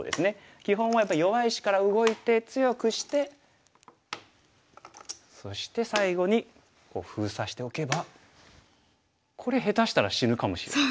基本はやっぱり弱い石から動いて強くしてそして最後に封鎖しておけばこれ下手したら死ぬかもしれない。